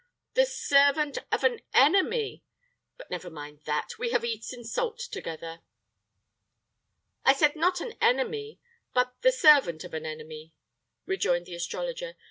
"The servant of an enemy! But never mind that; we have eaten salt together." "I said not an enemy, but the servant of an enemy," rejoined the astrologer.